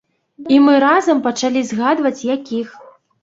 І мы разам пачалі згадваць, якіх.